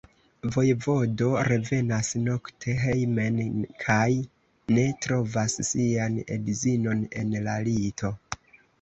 Vojevodo revenas nokte hejmen kaj ne trovas sian edzinon en la lito.